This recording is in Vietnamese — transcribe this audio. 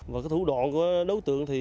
và cái thủ đoạn của đấu tượng thì